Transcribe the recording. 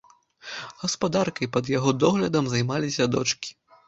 Гаспадаркай пад яго доглядам займаліся дочкі.